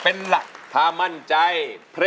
เพลงนี้สี่หมื่นบาทเอามาดูกันนะครับ